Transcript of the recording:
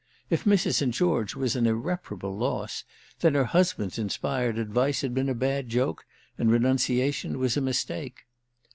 If Mrs. St. George was an irreparable loss, then her husband's inspired advice had been a bad joke and renunciation was a mistake.